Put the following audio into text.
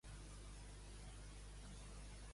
Ella va néixer a Recife, Brasil.